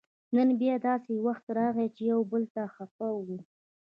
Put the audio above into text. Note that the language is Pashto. نن بیا داسې وخت راغی چې یو بل ته خپه وو